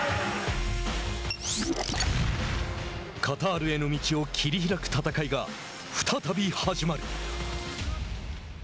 カタールへの道を切り開く戦いが再び始まる。